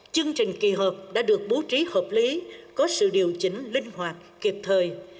chương trình kỳ họp đã được bố trí hợp lý có sự điều chỉnh linh hoạt kịp thời